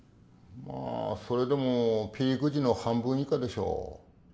まあそれでもピーク時の半分以下でしょう。